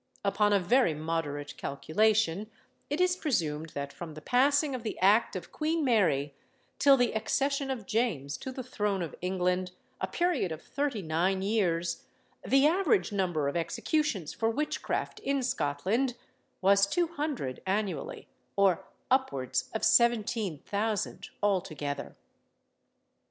Upon a very moderate calculation, it is presumed that from the passing of the act of Queen Mary till the accession of James to the throne of England, a period of thirty nine years, the average number of executions for witchcraft in Scotland was two hundred annually, or upwards of seventeen thousand altogether.